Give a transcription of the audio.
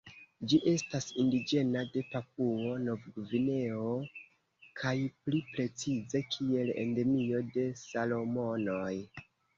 Ĝi estas indiĝena de Papuo-Novgvineo kaj pli precize kiel endemio de Salomonoj.